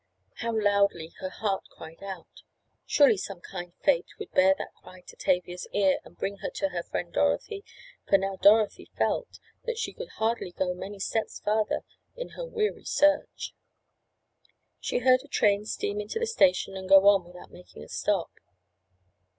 How loudly her heart cried out! Surely some kind fate would bear that cry to Tavia's ear and bring her to her friend Dorothy—for now Dorothy felt that she could hardly go many steps farther in her weary search. She heard a train steam into the station and go on without making a stop.